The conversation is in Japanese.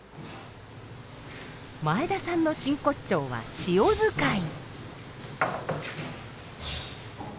前田さんの真骨頂は塩使い。